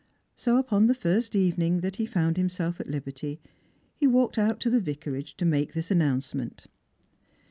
So upon the first evening that he found himself at liberty, he walked out to the Vicarage to make this announce ment.